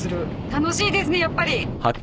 楽しいですねやっぱり。